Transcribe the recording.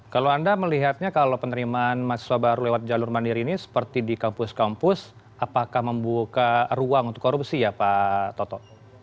kalau anda melihatnya kalau penerimaan mahasiswa baru lewat jalur mandiri ini seperti di kampus kampus apakah membuka ruang untuk korupsi ya pak toto